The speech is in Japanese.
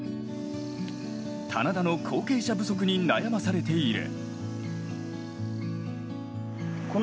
棚田の後継者不足に悩まされている。